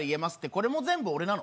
これ全部俺なの？